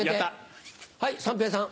はい三平さん。